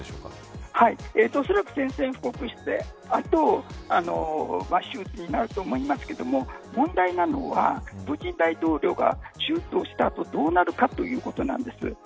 おそらく宣戦布告した後手術になると思いますけれども問題なのは、プーチン大統領が手術をした後どうなるかということなんです。